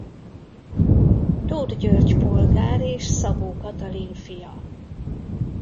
Tóth György polgár és Szabó Katalin fia.